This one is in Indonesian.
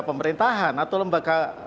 pemerintahan atau lembaga